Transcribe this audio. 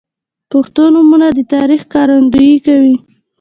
• پښتو نومونه د تاریخ ښکارندویي کوي.